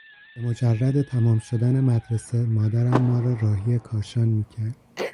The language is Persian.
به مجرد تمام شدن مدرسه مادرم ما را راهی کاشان میکرد.